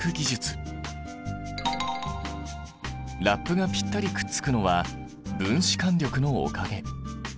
ラップがぴったりくっつくのは分子間力のおかげ。